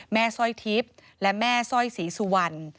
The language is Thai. แม่สร้อยทิศและแม่สร้อยสีสุวรรณ